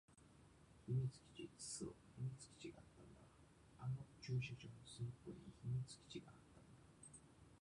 秘密基地。そう、秘密基地があったんだ。あの駐車場の隅っこに秘密基地があったんだ。